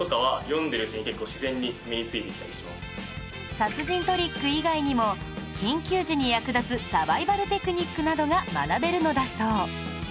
殺人トリック以外にも緊急時に役立つサバイバルテクニックなどが学べるのだそう